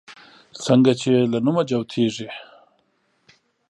څنگه چې يې له نومه جوتېږي